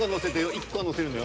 １個載せるのよ。